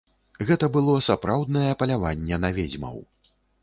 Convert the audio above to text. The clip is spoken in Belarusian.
Гэта было сапраўднае паляванне на ведзьмаў.